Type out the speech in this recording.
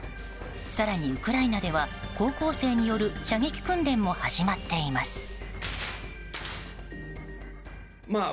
更に、ウクライナでは高校生による射撃訓練も始まっています。